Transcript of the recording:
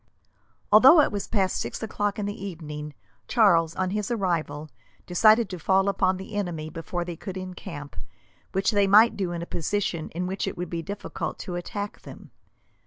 Although it was past six o'clock in the evening, Charles, on his arrival, decided to fall upon the enemy before they could encamp, which they might do in a position in which it would be difficult to attack them.